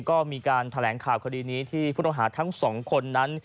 ก็มีการแถลงข่าวคดีนี้ที่ผู้ต้องหาทั้งสองคนนั้น